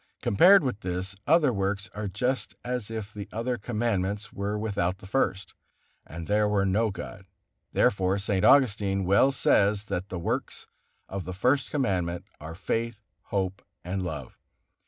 Compared with this, other works are just as if the other Commandments were without the First, and there were no God, Therefore St. Augustine well says that the works of the First Commandment are faith, hope and love.